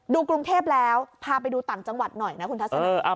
กรุงเทพแล้วพาไปดูต่างจังหวัดหน่อยนะคุณทัศน